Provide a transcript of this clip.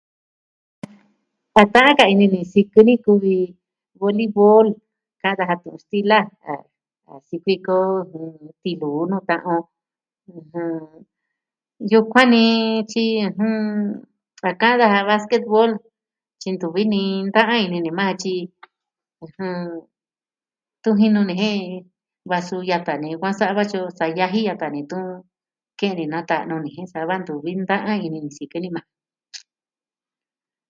A ta'an ka ini ni sikɨ ni kuvi voleibol, ka'an daja tu'un stila, a... a sikuiko tiluu nuu ta'an on. ɨjɨn... Yukuan ni... tyi ɨjɨn... a ka'an daja basketvol tyi ntuvi ni nta'an ini ni maa ja tyi... ɨjɨn tun jinu ni jen va suu yata ni yukuan sa'a vatyo sa'a yaji yata ni tun nkee ni nata'nu ni saa va ntuvi ta'an ini ni sikɨ ni maa ja.